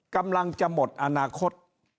กำลังจะหมดอนาคต